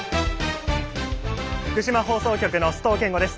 福島放送局の須藤健吾です。